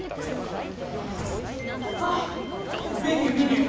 あっメニューメニュー。